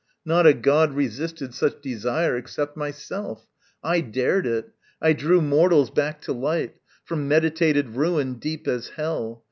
Not a god Resisted such desire except myself. I dared it! I drew mortals back to light, From meditated ruin deep as hell!